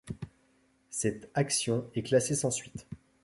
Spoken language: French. Cette action est classée sans suite.